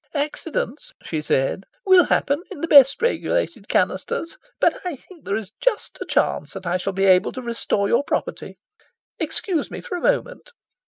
"Accidents," she said, "will happen in the best regulated canisters! But I think there is just a chance that I shall be able to restore your property. Excuse me for a moment."